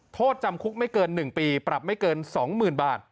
โทษจำคุกไม่เกิน๑ปีปรับไม่เกิน๒๐๐๐บาท